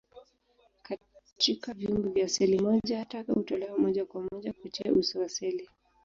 Katika viumbe vya seli moja, taka hutolewa moja kwa moja kupitia uso wa seli.